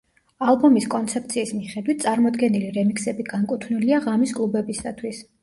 ალბომის კონცეფციის მიხედვით, წარმოდგენილი რემიქსები განკუთვნილია ღამის კლუბებისათვის.